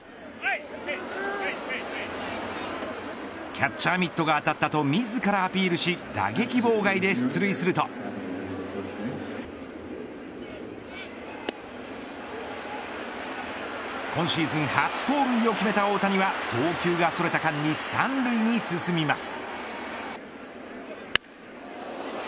キャッチャーミットが当たったと自らアピールし打撃妨害で出塁すると今シーズン初盗塁を決めた大谷は送球がそれた間に３塁に進みます。